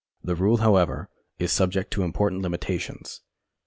The rule, however, is subject to important limitations.